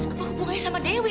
kamu hubungi sama dewi